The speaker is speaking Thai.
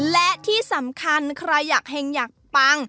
และที่สำคัญใครอยากเฮงอยากปัง